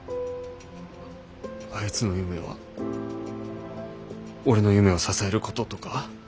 あいつの夢は俺の夢を支えることとか？